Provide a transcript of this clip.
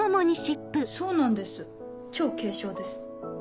そうなんです超軽傷です。